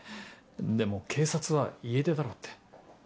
でも警察は「家出だろう」って。